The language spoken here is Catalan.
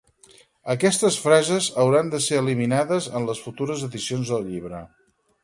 Aquestes frases hauran de ser eliminades en les futures edicions del llibre.